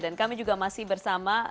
dan kami juga masih bersama